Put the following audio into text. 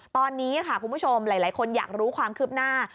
ตอนนี้ค่ะคุณผู้ชมหลายคนอยากรู้ความคืบหน้า